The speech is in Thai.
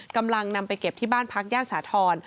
กำลังนำไปเก็บที่บ้านพักย่านสาธรณ์